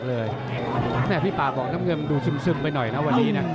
พี่ป่าบอกน้ำเงินดูซึมไปหน่อยนะวันนี้นะ